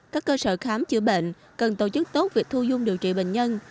các cơ sở khám chữa bệnh cần tổ chức tốt việc thu dung điều trị bệnh nhân